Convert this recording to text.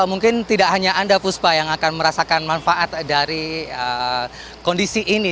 mungkin tidak hanya anda puspa yang akan merasakan manfaat dari kondisi ini